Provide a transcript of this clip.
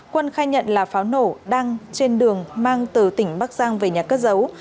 quân khai nhận là pháo nổ đang trên đường mang từ tỉnh bắc giang về nhà cất giấu